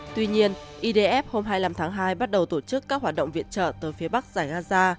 tuy nhiên idf hôm hai mươi năm tháng hai bắt đầu tổ chức các hoạt động viện trợ tới phía bắc giải gaza